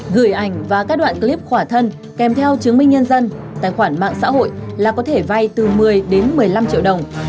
gửi ảnh và các đoạn clip khỏa thân kèm theo chứng minh nhân dân tài khoản mạng xã hội là có thể vay từ một mươi đến một mươi năm triệu đồng